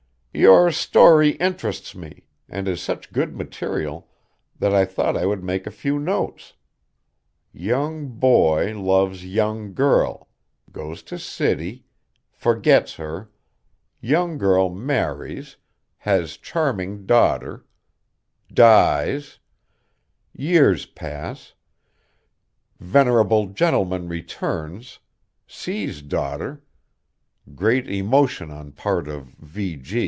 "Your story interests me, and is such good material that I thought I would make a few notes. Young boy loves young girl goes to city forgets her young girl marries has charming daughter dies years pass venerable gentleman returns sees daughter great emotion on part of v.